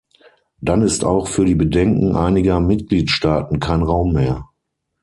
Dann ist auch für die Bedenken einiger Mitgliedstaaten kein Raum mehr.